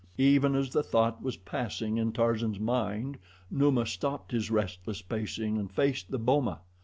Even as the thought was passing in Tarzan's mind, Numa stopped his restless pacing and faced the boma.